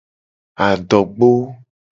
Adogbo.